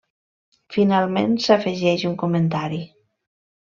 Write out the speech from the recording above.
Finalment s'afegeix un comentari.